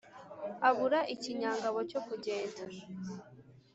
abura ikinyangabo cyo kugenda